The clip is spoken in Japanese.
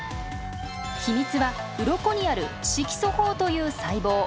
秘密はウロコにある色素胞という細胞。